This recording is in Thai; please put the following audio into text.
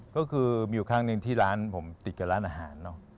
ก็คือมีครั้งหนึ่งที่ร้านผมติดกับร้านอาหาร